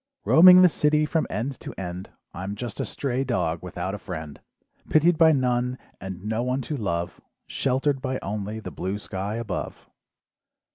"Roaming the city from end to end, "I'm just a stray dog without a friend, "Pitied by none and no one to love, "Sheltered by only the blue sky above.